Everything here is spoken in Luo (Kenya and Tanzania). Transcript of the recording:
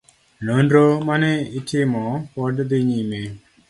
Nonro mane itimo pod dhi nyime.